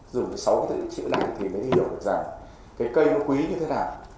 dùng sáu cái chữ này thì mới hiểu được rằng cái cây nó quý như thế nào